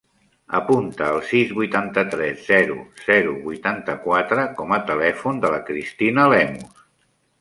Apunta el sis, vuitanta-tres, zero, zero, vuitanta-quatre com a telèfon de la Cristina Lemus.